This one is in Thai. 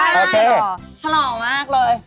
ได้ฉลอมากเลย